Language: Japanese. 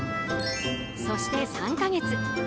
そして３か月。